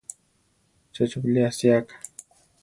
Che cho bilé asiáka.